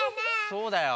そうだよ。